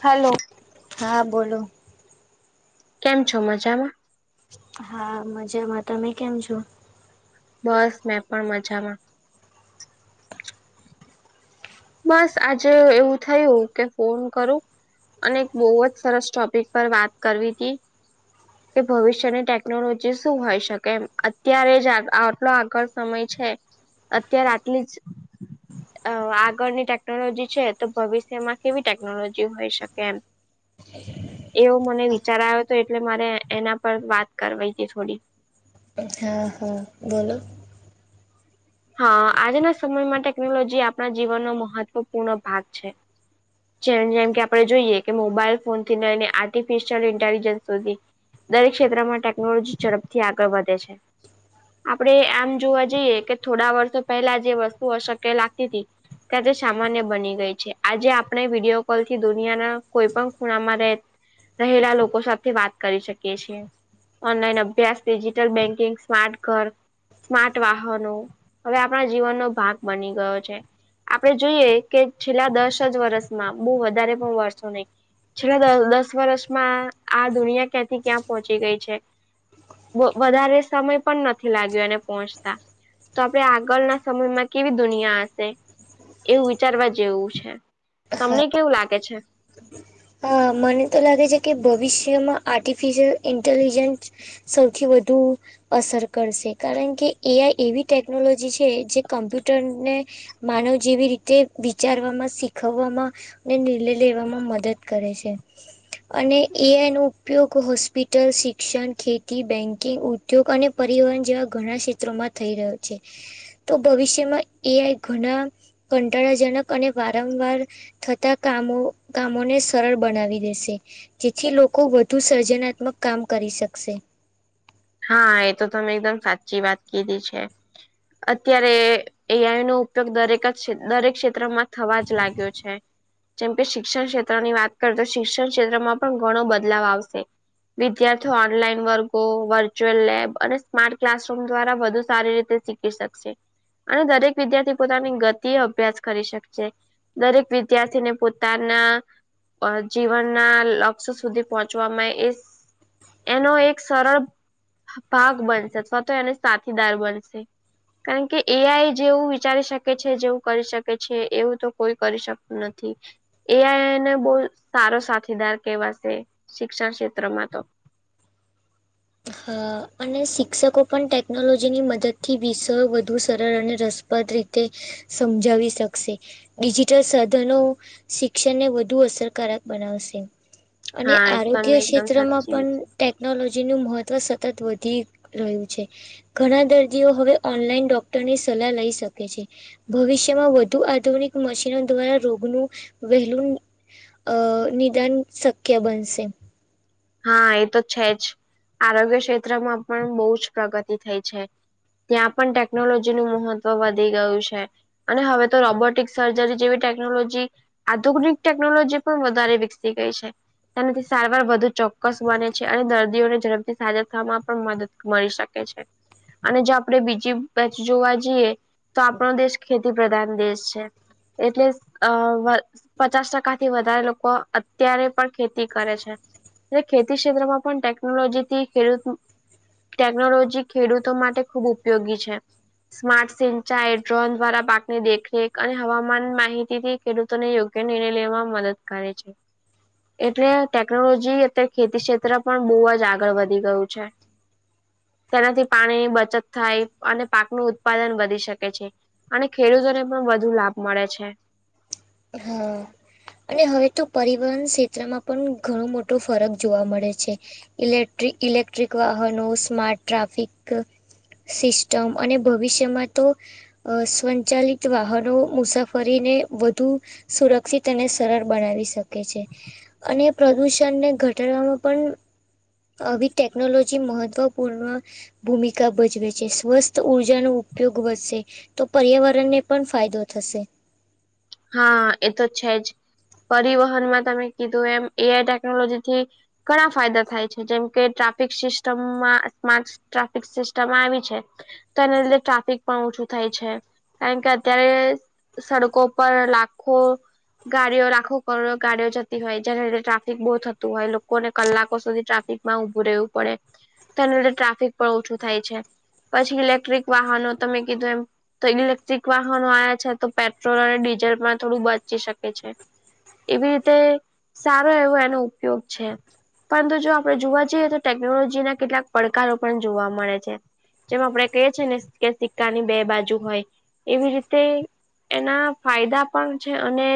Hello. હા, બોલો. કેમ છો? મજામાં? હા, મજામાં. તમે કેમ છો? બસ મેં પણ મજામાં. બસ આજે એવ એવું થયું, કે ફોન કરું. અને એક બહુ જ સરસ ટોપિક પર વાત કરવી તી. કે ભવિષ્યની ટેકનોલોજી શું હોય શકે એમ. અત્યારે જ આગ આટલો આગળ સમય છે, અત્યારે આટલી જ અહ આગ ગળની ટેકનોલોજી છે, તો ભવિષ્યમાં કેવી ટેકનોલોજી હોય શકે એમ. [inaudible] એવું મને વિચાર આયો તો, એટલે મારે એના પર વાત કરવી તી થોડી. હા, હા, બોલો. હા. આજના સમયમાં ટેકનોલોજી આપણા જીવનનો મહત્વપૂર્ણ ભાગ છે. જેમ-જેમ કે આપણે જોઈએ, કે મોબાઈલ ફોન થી લઈને આર્ટિફિશિયલ ઇન્ટેલિજન્સ સુધી દરેક ક્ષેત્રમાં ટેકનોલોજી ઝડપથી આગળ વધે છે. આપણે આમ જોવા જઈએ, કે થોડા વર્ષો પહેલા જે વસ્તુ અશક્ય લાગતી તી તે આજે સામાન્ય બની ગઈ છે. આજે આપણે વિડીયો કોલ થી દુનિયાના કોઈપણ ખૂણામાં રહેત રહેલા લોકો સાથે વાત કરી શકીએ છીએ. ઓનલાઈન અભ્યાસ, ડિજિટલ બેન્કિંગ, સ્માર્ટ ઘર, સ્માર્ટ વાહનો હવે આપણા જીવનનો ભાગ બની ગયો છે. આપણે જોઈએ, કે છેલ્લા દસ જ વર્ષમાં બહુ વધારે પણ વરસો નહીં. છેલ્લા દહ દસ વર્ષમાં આ દુનિયા ક્યાંથી ક્યાં પહોંચી ગઈ છે. બ વધારે સમય પણ નથી લાગ્યો એને પહોંચતા. તો આપણે આગળના સમયમાં કેવી દુનિયા હશે, એવું વિચારવા જેવું છે. હા તમને કેવું લાગે છે? હા. મને તો લાગે છે, કે ભવિષ્યમાં આર્ટિફિશિયલ ઇન્ટેલિજન્સ સૌથી વધુ અસર કરશે. કારણ કે, એ આઈ એવી ટેકનોલોજી છે જે કમ્પ્યુટરને માનવ જેવી રીતે વિચારવામાં, શીખવવામાં ને નિર્ણય લેવામાં મદદ કરે છે. અને એ આઈ નો ઉપયોગ હોસ્પિટલ, શિક્ષણ, ખેતી, બેન્કિંગ, ઉધ દ્યોગ અને પરિવહન જેવા ઘણા ક્ષેત્રોમાં થઈ રહ્યો છે. તો ભવિષ્યમાં એ આઈ ઘના કંટાળાજનક અને વારંવાર થતા કામો-કામોને સ સરળ બનાવી દેશે. જેથી લોકો વધુ સર્જનાત્મક કામ કરી શકશે. હા. એ તો તમે એકદમ સાચી વાત કીધી છે. અત્યારે એ આઈ નો ઉપયોગ દરેક જ દરેક ક્ષેત્રમાં થવા જ લાગ્યો છે. જેમ કે શિક્ષણ ક્ષેત્રની વાત કર, તો શિક્ષણ ક્ષેત્રમાં પણ ઘણો બદલાવ આવશે. વિદ્યાર્થીઓ ઓનલાઈન વર્ગો, વર્ચ ચ્યુઅલ લેબ અને સ્માર્ટ ક્લાસરૂમ દ્વારા વધુ સારી રીતે શીખી શકશે. અને દરેક વિદ્યાર્થી પોતાની ગતિએ અભ્યાસ કરી શકશે. દરેક વિદ્યાર્થીને પોતાના... અ જીવનના લક્ષ્ય સુધી પહોંચવામાં એ... એનો એક સરળ. ભાગ બનશે અથવા તો એને સાથીદાર બનશે. કારણ કે એ આઈ જેવું વિચારી શકે છે. જેવું કરી શકે છે. એવું તો કોઈ કરી શકતું નથી. એ આઈને બહુ સારો સાથીદાર કવાશે શિક્ષણ ક્ષેત્રમાં તો.. હા, અને શિક્ષકો પણ ટેકનોલોજીની મદદ થી વિષયો વધુ સરળ અને રસ રસપ્રદ વિશે સમજાવી શકશે. ડિજિટલ સાધનો શિક્ષણને વધુ અસરકારક બનાવશે. અને હા એ તો આરોગ્ય તમે એકદમ ક્ષેત્રમાં સાચી પણ ટેકનોલોજી નું મહત્વ સતત વધી રહ્યું છે. ઘણા દર્દીઓ હવે ઓનલાઈન ડોક્ટરની સલાહ લઈ શકે છે. ભવિષ્યમાં વધુ આધુનિક મશીનો દ્વારા રોગનું વહેલું અ નિદાન શક્ય બનશે. હા, એ તો છે જ આરોગ્ય ક્ષેત્રમાં પણ બહુ જ પ્રગતિ થઈ છે. ત્યાં પણ ટેકનોલોજી નું મહત્વ વધી ગયું છે. અને હવે તો રોબોટિક સર્જરી જેવી ટેકનોલોજી આધુનિક ટેકનોલોજી પણ વધારે વિકસી ગઈ છે. તેનાથી સારવાર વધુ ચોક્કસ બને છે. અને દર્દીઓને ઝડપથી સાજા થવામાં પણ મદદ મળી શકે છે.. અને જો આપણેે બીજીબાજુ જોવા જઈએ. તો આપનો દેશ ખેતી પ્રધાન દેશ છે. એટલે અ જ. પચાસ ટકા થી વધારે લોકો અત્યારે પણ ખેતી કરે છે. એટલે ખેતી ક્ષેત્રમાં પણ ટેકનોલોજી થી ખેડૂત. ટેકનોલોજી ખેડૂતો માટે ખૂબ ઉપયોગી છે. સ્માર્ટ સિંચાઈ ડ્રોન દ્વારા પાકની દેખરેખ અને હવામાન માહિતીથી. ખેડૂતોને યોગ્ય નિર્ણય લેવામાં મદદ કરે છે. એટલે ટેકનોલોજી. ખેતી ક્ષેત્ર પણ બહુ જ આગળ વધી ગયું છે. તેનાથી પાણીની બચત થાય અને પાકનું ઉત્પાદન વધી શકે છે. અને ખેડૂતોને પણ વધુ લાભ મળે છે. હા. અને હવે તો પરિવહન ક્ષેત્રમાં પણ ઘણું મોટો ફરક જોવા મળે છે. ઇલેક્ટ્રિક ઇલેક્ટ્રિક વાહનો સ્મા્ટ ટ્રાફિક સિસ્ટમ અને ભવિષ્યમાં તો. અ સ્વચાલિત વાહનો મુસાફરીને વધુ સુરક્ષિત અને સરળ બનાવી શકે છે. અને પ્રદુષણને ઘટાડવામાં પણ. અભી ટેકનોલોજી મહત્ત્વપૂર્ણ ભૂમિકા ભજવે છે, સ્વસ્થ ઉર્જાનો ઉપયોગ વધશે. તો પર્યાવરણને પણ ફાયદો થશે. હા, એ તો છે જ પરિવહનમાં તમે કીધું એમ એઆઈ ટેકનોલોજીથી ઘણા ફાયદા થાય છે. જેમ કે ટ્રાફિક સિસ્ટમમાં ટ્રાફિક સિસ્ટમ આવી છે. તો એને લીધે ટ્રાફિક પણ ઓછું થાય છે. કારણ કે અત્યારે સડકો પર લાખો. ગાડીઓ લાખો કરોડો ગાડીઓ જતી જેને લીધે ટ્રાફિક બહુ થતું હોય, લોકોને કલાકો સુધી ટ્રાફિક. માં ઉભું રહેવું પડે તેને લીધે ટ્રાફિક પણ ઓછું થાય છે. પછી ઇલેક્ટ્રિક વાહનો તમે કીધું એમ તો ઇલેક્ટ્રિક વાહનો આયા છે તો પેટ્રોલ અને ડીઝલ પણ થોડું બચી શકે છે. એવી રીતે સારો એવો એનો ઉપયોગ છે. પરંતુ જો આપડે જોવા જઈએ તો ટેકનોલોજીના કેટલાક પડકારો પણ જોવા મળે છે. જેમ આપણેે કહીએ છીએ ને કે સિક્કાની બે બાજુ હોય એવી રીતે એના ફાયદા પણ છે અને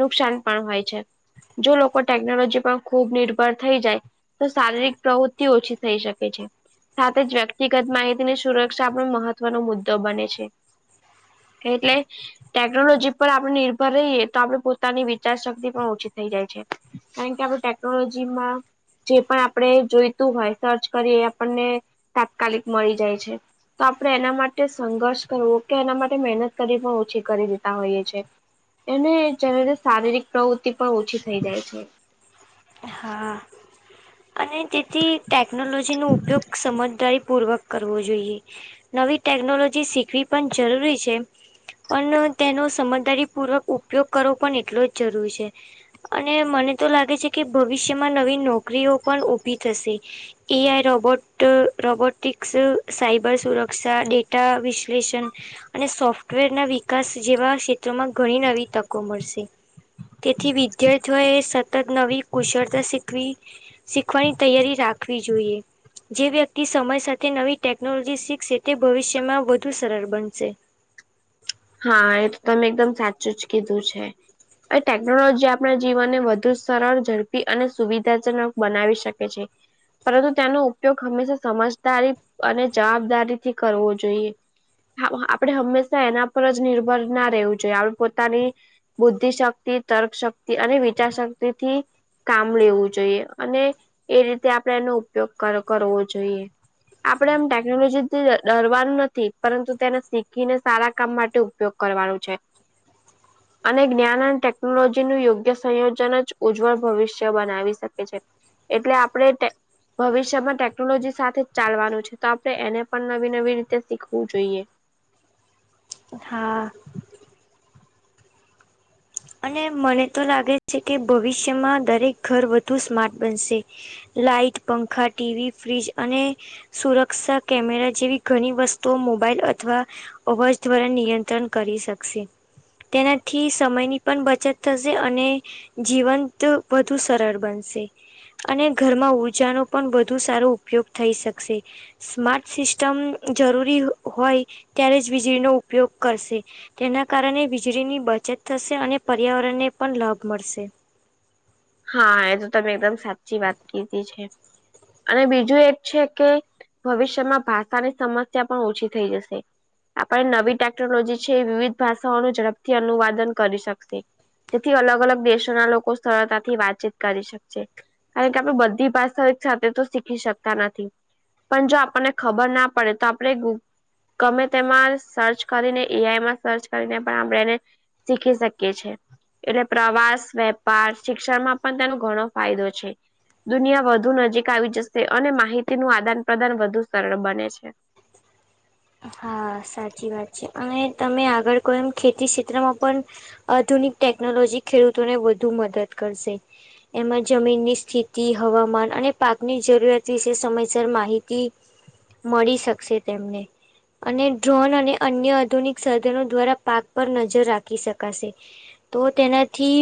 નુકસાન પણ હોય છે. જો લોકો ટેકનોલોજી પર ખૂબ નિર્ભર થઈ જાય, તો શારીરિક પ્રવૃત્તિ ઓછી થઈ શકે છે. સાથે જ વ્યક્તિગત માહિતીની સુરક્ષા પણ મહત્વનો મુદ્દો બને છે. એટલે ટેકનોલોજી પર આપ નિર્ભર રહીએ તો આપડે પોતાની વિચારશક્તિ પણ ઓછી થઈ જાય છે. કારણ કે આપણે ટેકનોલોજીમાં જે પણ આપડે જોઈતું હોય સર્ચ કરીએ એ આપણને તાત્કાલિક મળી જાય છે. તો આપડે એના માટે સંઘર્ષ કરવો ઓકે એના માટે મહેનત કરવી પણ ઓછી કરી દે તાં હોઈએ છે એને શારીરિક પ્રવૃતિ પણ ઓછી થઈ જાય છે. હા. અને તેથી ટેકનોલોજીનો ઉપયોગ સમજદારીપુર્વક કરવો જોઈએ. નવી ટેકનોલોજી શીખવી પણ જરૂરી છે. પણ તેનો સમજદારી પૂર્વકઉપયોગ કરવો પણ એટલો જ જરૂર છે. અને મને તો લાગે છે કે ભવિષ્યમાં નવી નોકરીઓ પણ ઉભી થશે. એઆઈ રોબોટ રોબોટિક્સ સાયબર સુરક્ષા ડેટા વિશ્લેષણ અને સોફ્ટવેરના વિકાસ જેવા ક્ષેત્રોમાં ઘણી નવી તકો મળશે. તેથી વિદ્યાર્થીઓએ સતત નવી કુશળતા શીખવી શીખવાની તૈયારી રાખવી જોઈએ. જે વ્યક્તિ સમય સાથે નવી ટેકનોલોજી શીખશે તે ભવિષ્યમાં વધુ સરળ બનશે. હા એ તો તમે એકદમ સાચું જ કીધું છે. આ ટેકનોલોજી આપણા જીવનને વધુ સરળ ઝડપી અને સુવિધાજનક બનાવી શકે છે. પરંતુ તેનો ઉપયોગ હંમેશા સમજદારી અને જવાબદારીથી કરવો જોઈએ. આપણે હંમેશા એના પર જ નિર્ભર ના રહેવું જોઈએ આપડે પોતાની બુદ્ધિશક્તિ, તર્કશક્તિ અને વિચારશક્તિથી કામ લેવું જોઈએ અને એ રીતે આપડે એનો ઉપયોગ કર કરવો જોઈએ. આપડે એમ ટેકનોલોજીથી ડરવાનું નથી પરંતુ તેને શીખીને સારા કામ મા ટે ઉપયોગ કરવાનું છે. અને જ્ઞાન અને ટેકનોલોજીનું યોગ્ય સંયોજન જ ઉજ્જવળ ભવિષ્ય બનાવી શકે છે. એટલે આપડે ટે ભવિષ્યમાં ટેકનોલોજી સાથે જ ચાલવાનું છે તો આપડે એને પણ નવી નવી રીતે શીખવું જોઈએ. હા. અને મને તો લાગે છે કે ભવિષ્યમાં દરેક ઘર વધુ સ્માર્ટ બનશે. લાઈટ, પંખા, ટીવી, ફ્રીજ, અને સુરક્ષા કેમેરા જેવી ઘણી વસ્તુઓ મોબાઈલ અથવા અવાજ દ્વારા નિયંત્રણ કરી શકશે તેનાથી સમયની પણ બચત થશે અને જીવંત વધુ સરળ બનશે. અને ઘરમાં ઊર્જાનો પણ વધું સારો ઉપયોગ થઈ શકશે. સ્માર્ટ સિસ્ટમ જરૂરી હોય ત્યારે જ વીજળીનો ઉપયોગ કરશે. એના કારણે વીજળી ની બચત થશે અને પર્યાવરણને પણ લાભ મળશે. હા એ તો તમે એકદમ સાચી વાત કીધી છે અને બીજું એક છે કે ભવિષ્યમાં ભાષાની સમસ્યા પણ ઓછી થઈ જશે. આપણે નવી ટેકનોલોજી છે એ વિવિધ ભાષાઓનું ઝડપથી અનુવાદન કરી શકશે. જેથી અલગ-અલગ દેશોના લોકો સરળતા થી વાતચીત કરી શકશે કારણ કે આપણે બધી ભાષાઓ સાથે તો શીખી શકતા નથી. પણ જો આપણને ખબર ના પડે તો આપલે [unintelligible] ગમે તેમાં સર્ચ કરીને એઆઈમાં સર્ચ કરીને પણ આપણે એને શીખી શકીએ છે એટલે પ્રવાસ વેપાર શિક્ષણમાં પણ તેનો ઘણો ફાયદો છે. દુનિયા વધુ નજીક આવી જશે અને માહિતીનું આદાન પ્રદાન વધુ સરળ બને છે. હા સાચી વાત છે અને તમે આગળ કોઈ આમ ખેતી ક્ષેત્રમાં પણ અધુનિક ટેકનોલોજી ખેડૂતોને વધુ મદદ કરશે. એમા જમીનની સ્થિતી હવામાન અને પાકની જરૂરિયાત વિશે સમયસર માહિતી મળી શકશે તેમને. અને ડ્રોન અને અન્ય આધુનિક સાધનો દ્વારા પાક પર નજર રાખી શકાશે. તો તેનાથી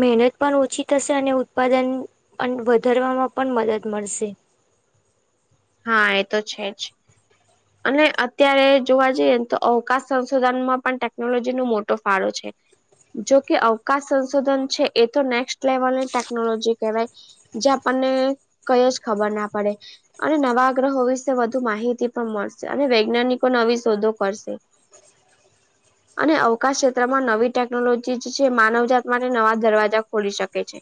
મહેનત પણ ઓછી થશે અને ઉત્પાદનન અન વધારવામાં પણ મદદ મળશે. હા એતો છેજ. અને અત્યારે જોવા જઈએ ને તો અવકાશ સંશોધનમાં પણ ટેકનોલોજી નો મોટો ફાળો છે. જોકે અવકાશ સંશોધન છે એ તો નેક્સ્ટ લેવલની ટેકનોલોજી કહેવાય. જે આપણને કંઈ જ ખબર ના પડે. અને નવા ગ્રહો વિશે વધુ માહિતી પણ મળશે અને વૈજ્ઞાનિકો નવી શોધો કરશે. અને અવકાશ ક્ષેત્રમાં નવી ટેકનોલોજી જ છે માનવજાત માટે નવા દરવાજા ખોલી શકે છે.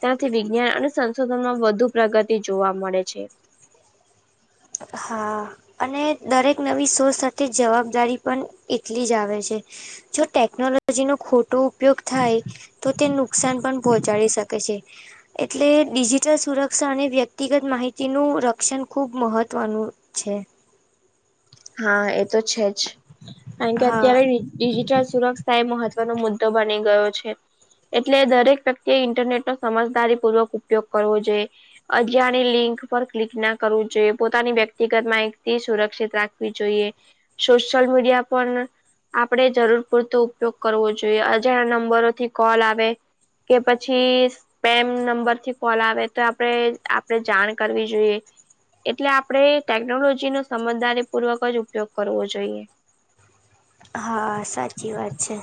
ત્યાંથી વિજ્ઞાન અને સંશોધનમાં વધુ પ્રગતિ જોવા મળે છે. હા. અને દરેક નવી શોધ સાથે જવાબદારી પન એટલી જ આવે છે. જો ટેકનોલોજી નો ખોટો ઉપયોગ થાય તો તેનું નુકસાન પણ પહોંચાડી શકે છે. એટલે ડિજિટલ સુરક્ષા અને વ્યક્તિગત માહિતીનું રક્ષણ ખૂબ મહત્ત ત્વ નુ છે. હા એતો છે જ કારણ કે હા અત્યારે ડિજિટલ સુરક્ષા એ મહત્વનો મુદ્દો બની ગયો છે. એટલે દરેક વ્યક્તિએ ઇન્ટરનેટ નો સમજદારીપૂર્વક ઉપયોગ કરવો જોઈએ. અજાણી લિંક પર ક્લિક ના કરવું જોઈએ પોતાની વ્યક્તિગત માહિતી સુરક્ષિત રાખવી જોઈએ સોશિયલ મીડિયા [unintelligible] આપણે જરૂર પૂરતો ઉપયોગ કરવો જોઈએ અજાણ્યા નંબરોથી કોલ આવે કે પછી [unintelligible] સ્પેમ નંબરથી કોલ આવે તો આપણે આપણે જાણ કરવી જોઈએ. એટલે આપણે ટેકનોલોજી નો સમજદારી પૂર્વક જ ઉપયોગ જોઈએ. હા સાચી વાત છે.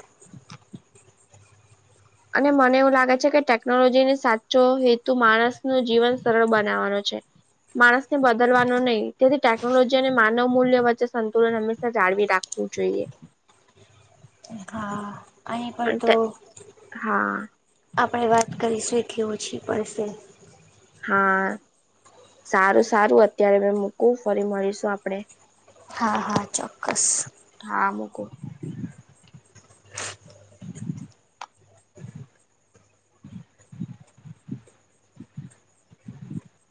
અને મને એવું લાગે છે કે ટેકનોલોજીને સાચો હેતુ માણસ નુ જીવન સરળ બનાવવાનો છે. માણસ ને બદલવાનો નઈ તેથી ટેકનોલોજી અને માનવ મૂલ્ય વચ્ચે સંતુલન હંમેશા જાળવી રાખ વુ જોઈએ, હા અહીં પર તો હા આપડે વાત કરીશું, કે ઓછી પડશે, હા સારું સારું અત્યારે મે મૂકું ફરી મળીશું આપડે, હા હા ચોક્કસ હા મૂકુ [inaudible] [unintelligible] [inaudible] [unintelligible]